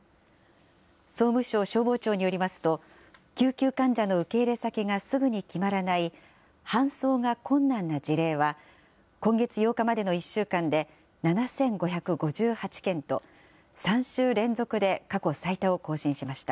総務省消防庁によりますと、救急患者の受け入れ先がすぐに決まらない、搬送が困難な事例は、今月８日までの１週間で７５５８件と、３週連続で過去最多を更新しました。